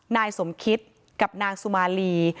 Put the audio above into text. นายสมคิตกับนางสุมาลี